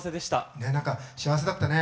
ねえ何か幸せだったね。